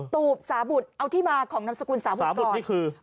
ตูบสาบุตรเอาที่มาของนามสกุลสาบุตรนี่คือ